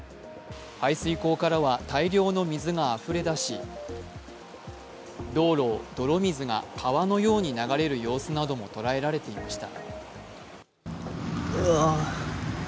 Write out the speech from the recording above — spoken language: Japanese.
排水溝からは大量の水があふれ出し道路を泥水が川のように流れる様子なども捉えられていました。